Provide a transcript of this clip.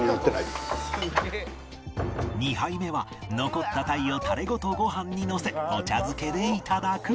２杯目は残った鯛をタレごとご飯にのせお茶漬けで頂く